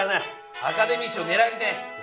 アカデミー賞ねらえるね！